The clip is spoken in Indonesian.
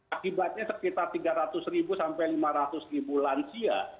akibatnya sekitar tiga ratus sampai lima ratus lansia